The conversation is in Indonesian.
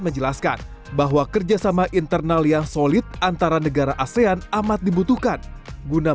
menurunkan gap infrastruktur dalam hal konektivitas regional